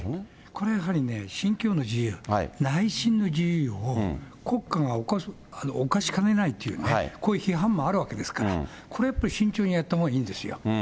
これやはりね、信教の自由、内心の自由を国家が侵しかねないというね、こういう批判もあるわけですから、これやっぱり慎重にやったほうがいいんですよ。